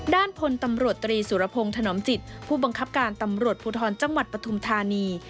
ด้านพลตำรวจตรีสุรพงศ์ถนอมจิตผู้บังคับการตำรวจภูทรจังหวัดปฐุมธานี